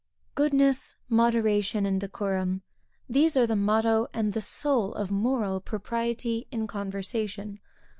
_ Goodness, moderation and decorum these are the motto and the soul of moral propriety in conversation.